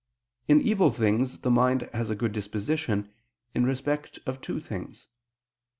In evil things the mind has a good disposition, in respect of two things.